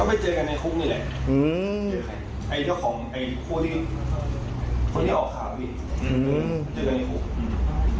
ไม่เขาบอกว่าอยู่กับเขา